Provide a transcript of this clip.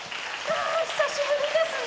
あー、久しぶりですね。